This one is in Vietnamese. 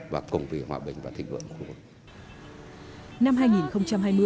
và cùng vì hòa bình và thích vượng của quốc